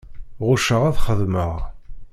Ɣucceɣ ad xedmeɣ.